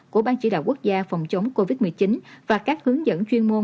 của ban chỉ đạo quốc gia phòng chống covid một mươi chín và các hướng dẫn chuyên môn